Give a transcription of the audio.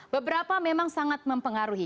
beberapa memang sangat mempengaruhi